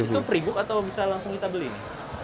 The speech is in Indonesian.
itu pribuk atau bisa langsung kita beli